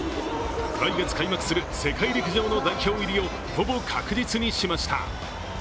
来月開幕する世界陸上の代表入りをほぼ確実にしました。